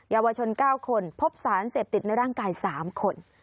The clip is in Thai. ยาวชน๙คนพบสารเสพติดในร่างกาย๓คน